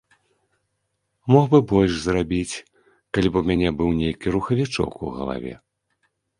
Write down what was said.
Мог бы больш зрабіць, калі б у мяне быў нейкі рухавічок у галаве.